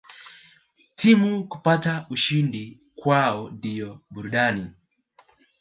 Timu kupata ushindi kwao ndio burudani